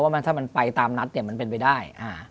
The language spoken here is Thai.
ว่าถ้ามันไปตามนัดมันเป็นไปได้